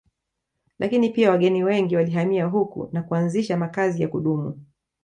Lakini pia wageni wengi walihamia huku na kuanzisha makazi ya kudumu